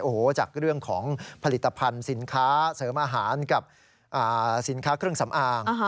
โอ้โหจากเรื่องของผลิตภัณฑ์สินค้าเสริมอาหารกับสินค้าเครื่องสำอาง